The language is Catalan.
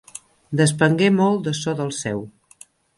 Despengué molt de ço del seu.